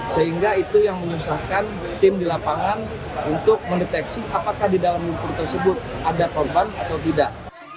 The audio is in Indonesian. sehingga itu yang menyusahkan tim di lapangan untuk mendeteksi apakah di dalam lumpur tersebut ada korban atau tidak